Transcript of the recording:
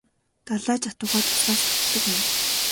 Далай ч атугай дуслаас бүтдэг юм.